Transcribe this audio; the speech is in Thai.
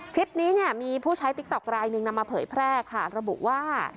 คลิปนี้เนี่ยมีผู้ใช้ติ๊กต๊อกรายหนึ่งนำมาเผยแพร่ค่ะระบุว่า